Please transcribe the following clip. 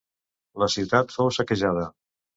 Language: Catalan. La ciutat fou saquejada.